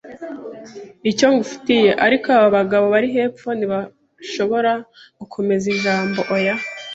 icyo ngufitiye. Ariko aba bagabo bari hepfo, ntibashoboye gukomeza ijambo - oya,